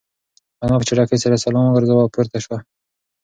انا په چټکۍ سره سلام وگرځاوه او پورته شوه.